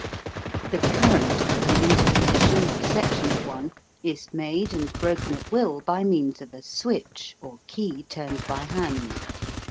The current of an installation or section of one is made and broken at will by means of a "switch" or key turned by hand.